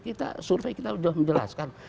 kita survei kita sudah menjelaskan